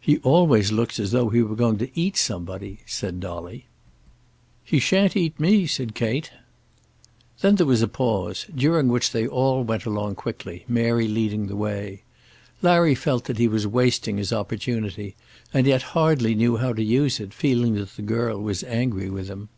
"He always looks as though he were going to eat somebody," said Dolly. "He shan't eat me," said Kate. Then there was a pause, during which they all went along quickly, Mary leading the way. Larry felt that he was wasting his opportunity; and yet hardly knew how to use it, feeling that the girl was angry with him.